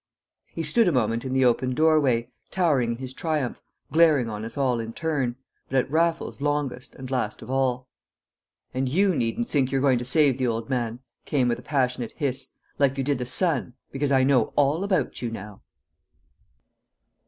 He stood a moment in the open doorway, towering in his triumph, glaring on us all in turn, but at Raffles longest and last of all. "And you needn't think you're going to save the old man," came with a passionate hiss, "like you did the son because I know all about you now!"